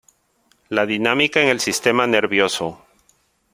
La dinámica en el sistema nervioso.